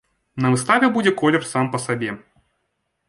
На выставе будзе колер сам па сабе.